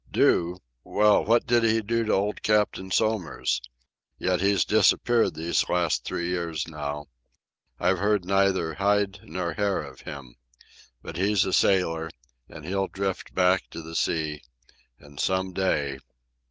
"Do? Well, what did he do to old Captain Somers? Yet he's disappeared these last three years now. I've heard neither hide nor hair of him. But he's a sailor, and he'll drift back to the sea, and some day